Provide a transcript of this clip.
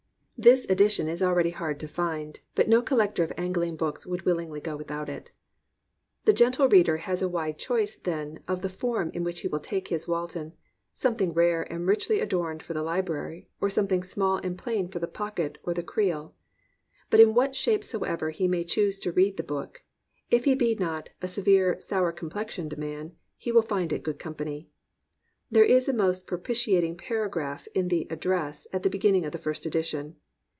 This edition is already hard to find, but no collector of angling books would wiUingly go without it. The gentle reader has a wide choice, then, of the form in which he will take his Walton, — something rare and richly adorned for the library, or something small and plain for the p>ocket or the creel. But in what shape soever he may choose to read the book, if he be not "a severe, sour complexioned man" he will find it good company. There is a most propiti ating paragraph in the "Address" at the beginning of the first edition.